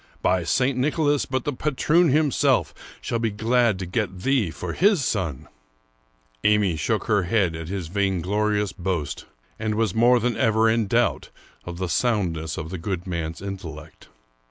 ^ By St. Nicholas, but the patroon himself shall be glad to get thee for his son !" Amy shook her head at his vainglorious boast, and was more than ever in doubt of the soundness of the good man's intellect.